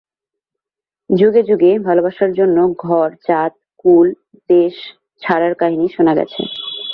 যুগে যুগে ভালোবাসার জন্য ঘর, জাত, কুল, দেশ ছাড়ার কাহিনি শোনা গেছে।